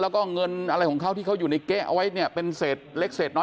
แล้วก็เงินอะไรของเขาที่เขาอยู่ในเก๊ะเอาไว้เนี่ยเป็นเศษเล็กเศษน้อย